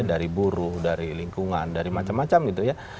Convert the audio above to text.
dari buruh dari lingkungan dari macam macam gitu ya